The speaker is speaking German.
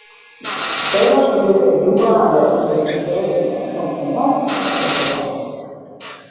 Später studierte er Jura an der Universität in Aix-en-Provence und an der Sorbonne.